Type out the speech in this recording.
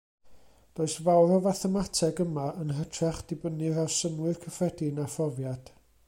Does fawr o fathemateg yma, yn hytrach dibynnir ar synnwyr cyffredin a phrofiad.